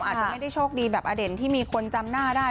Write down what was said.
อาจจะไม่ได้โชคดีแบบอเด่นที่มีคนจำหน้าได้